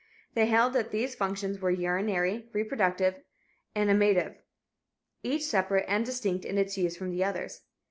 They held that these functions were urinary, reproductive and amative, each separate and distinct in its use from the others.